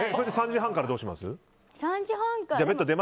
３時半からどうします？